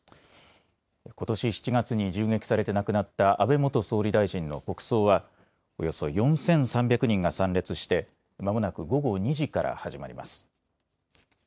ことし７月に銃撃されて亡くなった安倍元総理大臣の国葬は、およそ４３００人が参列して、まもなく午後２時から始まります。